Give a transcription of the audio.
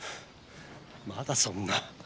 まだそんな。